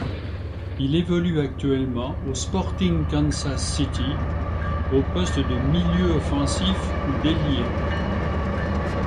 Il évolue actuellement au Sporting Kansas City au poste de milieu offensif ou d'ailier.